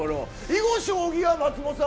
囲碁将棋は松本さん